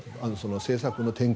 政策の転換。